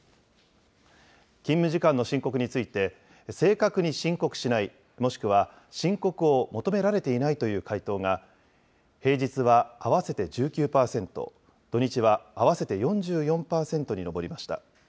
勤務時間の申告について、正確に申告しない、もしくは申告を求められていないという回答が平日は合わせて１９％、土日は合わせて４４％に上りました。